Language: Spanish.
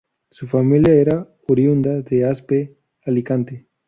Su familia era oriunda de Aspe, Alicante.